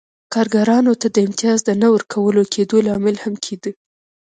کارګرانو ته د امتیاز د نه ورکول کېدو لامل هم کېده.